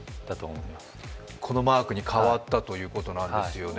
このマークに変わったということなんですよね。